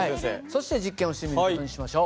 そして実験をしてみる事にしましょう。